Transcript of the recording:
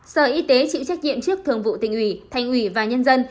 sở y tế chịu trách nhiệm trước thường vụ tình ủy thanh ủy và nhân dân